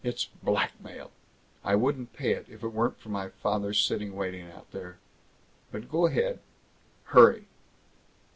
"It's blackmail! I wouldn't pay it, if it weren't for my father sitting waiting out there. But go ahead. Hurry!"